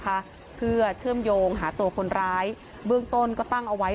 น่าจะว่าก็ไหวออกมาได้